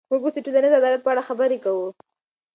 موږ اوس د ټولنیز عدالت په اړه خبرې کوو.